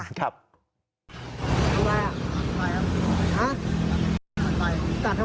คุณตาถ่ายออกไว้